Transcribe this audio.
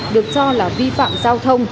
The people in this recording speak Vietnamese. được cho là vi phạm giao thông